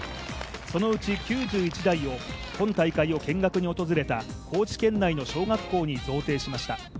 そのうち９１台を今大会を見学に訪れた高知県内の小学校に贈呈しました。